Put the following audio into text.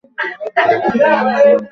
দেখলেন, তাঁবুর ন্যায় একটি মেঘখণ্ড।